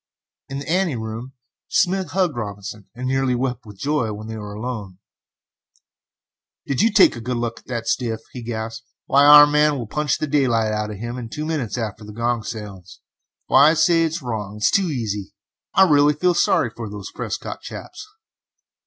In the ante room Smith hugged Robinson, and nearly wept with joy when they were alone. "Did you take a good look at the stiff?" he gasped. "Why, our man will punch daylight out of him in two minutes after the gong sounds! Why, I say this is wrong it is too easy; I really feel sorry for these Prescott chaps!"